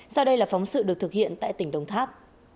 sau đây là phóng sự được thực hiện tại tỉnh đồng tháp